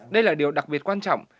đây là điều đặc biệt quan trọng